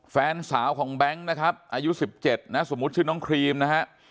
แฟนสาวของแบงค์นะครับอายุ๑๗นะสมมุติชื่อน้องครีมนะฮะ